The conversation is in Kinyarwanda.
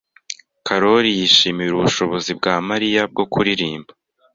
Karoli yishimira ubushobozi bwa Mariya bwo kuririmba.